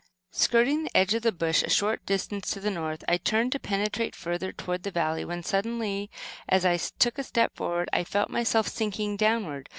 Skirting the edge of the bush, a short distance to the north, I turned to penetrate further toward the valley, when suddenly, as I took a step forward, I felt myself sinking downward.